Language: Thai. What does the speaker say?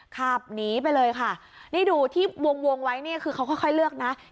ขับหนีไปเลยค่ะนี่ดูที่วงวงไว้เนี่ยคือเขาค่อยเลือกนะ